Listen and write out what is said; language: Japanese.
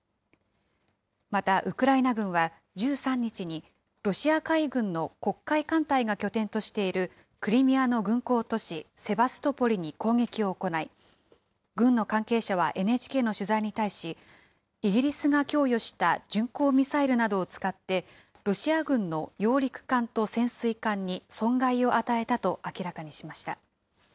また、ウクライナ軍は１３日に、ロシア海軍の黒海艦隊が拠点としているクリミアの軍港都市セバストポリに攻撃を行い、軍の関係者はＮＨＫの取材に対し、イギリスが供与した巡航ミサイルなどを使って、ロシア軍の揚陸艦と潜水艦に損害を与えたと明らかにしました。